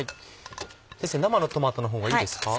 先生生のトマトの方がいいですか？